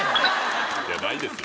いやないですよ。